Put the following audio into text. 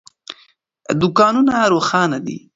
دوکانونه روښانه دي.